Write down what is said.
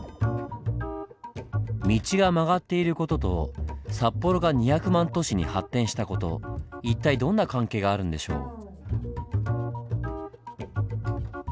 道が曲がっている事と札幌が２００万都市に発展した事一体どんな関係があるんでしょう？